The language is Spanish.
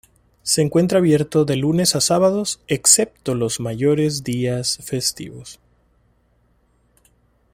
Se encuentra abierto de lunes a sábados excepto los mayores días festivos.